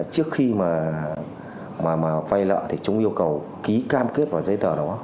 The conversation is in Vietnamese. trước khi mà vay nợ thì chúng yêu cầu ký cam kết vào giấy tờ đó